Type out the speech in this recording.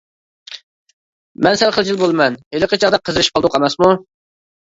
مەن سەل خىجىل بولىمەن، ھېلىقى چاغدا قىزىرىشىپ قالدۇق ئەمەسمۇ!